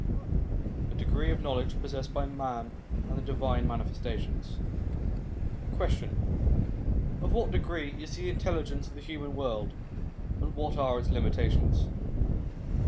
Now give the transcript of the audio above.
LVIII THE DEGREE OF KNOWLEDGE POSSESSED BY MAN, AND THE DIVINE MANIFESTATIONS Question. Of what degree is the intelligence of the human world, and wljat are its limitations